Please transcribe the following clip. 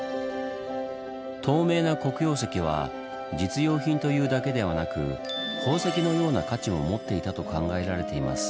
透明な黒曜石は実用品というだけではなく宝石のような価値も持っていたと考えられています。